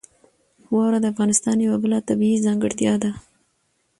واوره د افغانستان یوه بله طبیعي ځانګړتیا ده.